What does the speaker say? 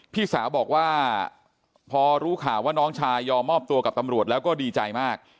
พี่สาวบอกว่าพอรู้ข่าวว่าน้องชายยอมมอบตัวกับตำรวจแล้วก็ดีใจมาก